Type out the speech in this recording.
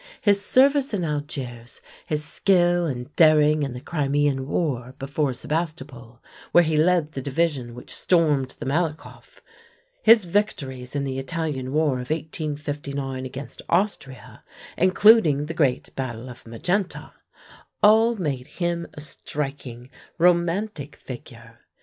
His service in Algiers; his skill and daring in the Crimean War before Sebastopol, where he led the division which stormed the Malakoff; his victories in the Italian War of 1859 against Austria, including the great battle of Magenta, all made him a striking, romantic figure.